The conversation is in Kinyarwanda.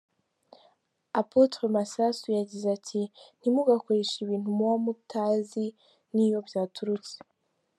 Apotre Masasu yagize ati “Ntimugakoreshe ibintu muba mutazi n’iyo byaturutse.